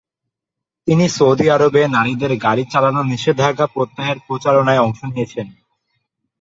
তিনি সৌদি আরবে নারীদের গাড়ি চালানোর নিষেধাজ্ঞা প্রত্যাহারের প্রচারণায় অংশ নিয়েছেন।